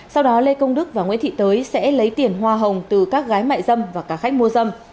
sau đó lê công đức và nguyễn thị tới sẽ lấy tiền hoa hồng từ các gái mại dâm và cả khách mua dâm